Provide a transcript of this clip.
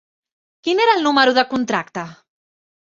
Quin era el número de contracte?